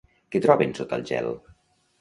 Què troben sota el gel?